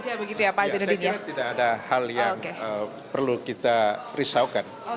saya kira tidak ada hal yang perlu kita risaukan